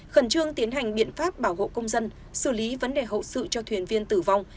khẩn trương tiến hành biện pháp bảo hộ công dân xử lý vấn đề hậu sự cho thuyền viên tử vong